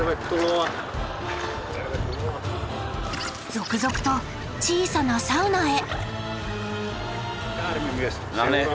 続々と小さなサウナへ。